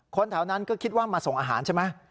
แถวนั้นก็คิดว่ามาส่งอาหารใช่ไหม